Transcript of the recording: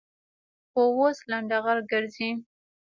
خو اوس لنډغر گرځي.